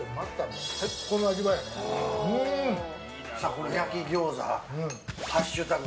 この焼き餃子、ハッシュタグ。